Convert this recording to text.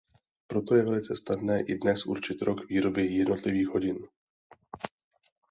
Proto je velice snadné i dnes určit rok výroby jednotlivých hodin.